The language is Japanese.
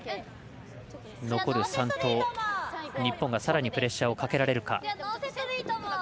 残る３投日本がさらにプレッシャーをかけられるか。